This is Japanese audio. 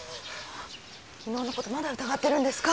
昨日のことまだ疑ってるんですか？